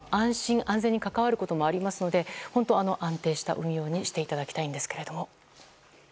ただ、ツイッターの情報は安心・安全に関わることもありますので本当に安定した運用にしていただきたいんですけども。